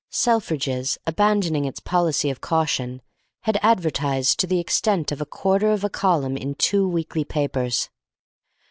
Selfridge's, abandoning its policy of caution, had advertised to the extent of a quarter of a column in two weekly papers.